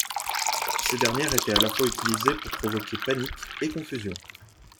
Ces dernières étaient à la fois utilisées pour provoquer panique et confusion.